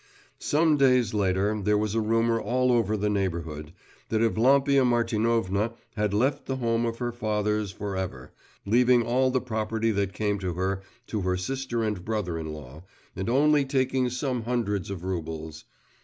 Some days later, there was a rumour all over our neighbourhood, that Evlampia Martinovna had left the home of her fathers for ever, leaving all the property that came to her to her sister and brother in law, and only taking some hundreds of roubles.